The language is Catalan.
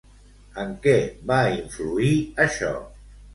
En què va influir això?